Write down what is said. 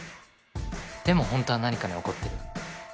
でもホントは何かに怒ってる。